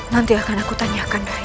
nanti akan aku tanyakan